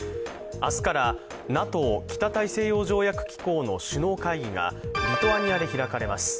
明日からＮＡＴＯ＝北大西洋条約機構の首脳会議がリトアニアで開かれます。